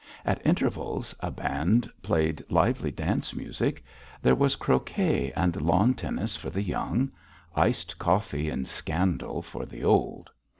At intervals a band played lively dance music; there was croquet and lawn tennis for the young; iced coffee and scandal for the old.